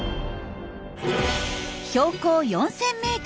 標高４，０００ｍ。